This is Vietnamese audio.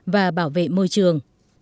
và bảo vệ môi trường